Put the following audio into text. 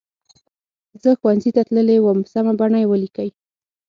زه ښوونځي ته تللې وم سمه بڼه یې ولیکئ.